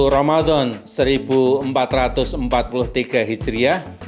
satu ramadan seribu empat ratus empat puluh tiga hijriah